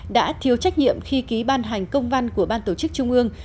đã thiếu trách nhiệm khi ký ban hành công văn của ban tổ chức trung ương